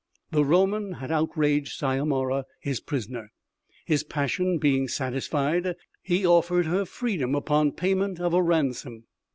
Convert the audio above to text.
The Roman had outraged Syomara, his prisoner. His passion being satisfied, he offered her freedom upon payment of a ransom.